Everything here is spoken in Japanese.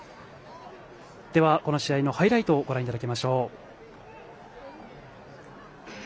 この試合のハイライトをご覧いただきましょう。